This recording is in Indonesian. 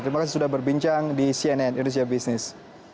terima kasih sudah berbincang di cnn indonesia business